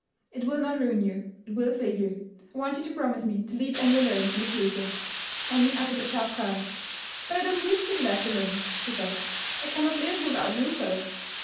"It will not ruin you; it will save you. I want you to promise me to leave Annie alone in the future." Annie uttered a sharp cry. "But I don't wish to be left alone," she said. "I cannot live without Rupert."